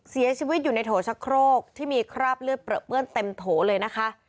เสียชีวิตอยู่ในโถชะโครกที่มีคราบเลือดเปลือเปื้อนเต็มโถเลยนะคะ